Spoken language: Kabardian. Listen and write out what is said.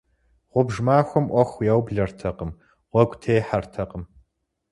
Гъубж махуэм Ӏуэху яублэртэкъым, гъуэгу техьэртэкъым.